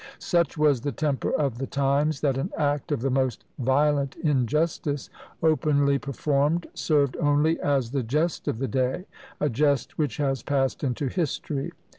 Such was the temper of the times, that an act of the most violent injustice, openly performed, served only as the jest of the day, a jest which has passed into history.